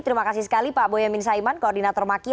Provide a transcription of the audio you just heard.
terima kasih sekali pak boyamin saiman koordinator maki